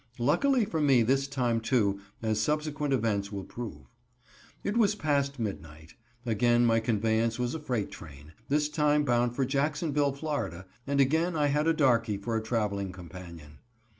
Luckily for me this time too, as subsequent events will prove. It was past midnight. Again my conveyance was a freight train; this time bound for Jacksonville, Fla., and again I had a darkey for a traveling companion.